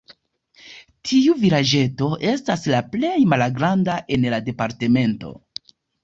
Tiu vilaĝeto estas la plej malgranda en la departemento.